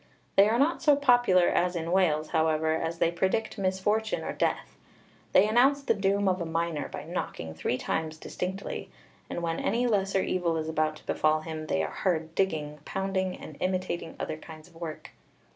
They are not so popular as in Wales, however, as they predict misfortune or death. They announce the doom of a miner by knocking three times distinctly, and when any lesser evil is about to befall him they are heard digging, pounding, and imitating other kinds of work.